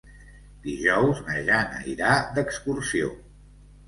Dijous na Jana irà d'excursió.